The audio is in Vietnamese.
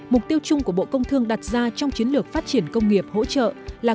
mục tiêu chung của bộ công thương đặt ra trong chiến lược phát triển công nghiệp hỗ trợ là